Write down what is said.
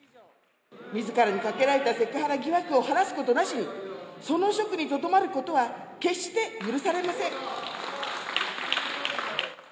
みずからにかけられたセクハラ疑惑を晴らすことなしに、その職にとどまることは決して許されません。